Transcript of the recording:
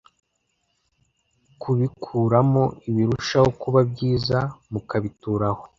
kubikuramo ibirushaho kuba byiza mukabitura ho